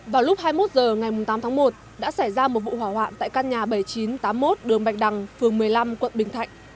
vào lúc hai mươi một h ngày tám tháng một đã xảy ra một vụ hỏa hoạn tại căn nhà bảy nghìn chín trăm tám mươi một đường bạch đằng phường một mươi năm quận bình thạnh